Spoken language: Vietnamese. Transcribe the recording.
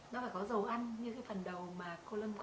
nó phải có dầu ăn như phần đầu mà cô lâm quay